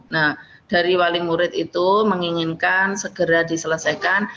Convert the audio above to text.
nah dari wali murid itu menginginkan segera diselesaikan